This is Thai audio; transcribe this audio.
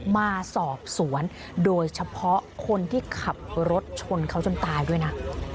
มาสอบสวนโดยเฉพาะคนที่ขับรถชนเขาจนตายด้วยนะ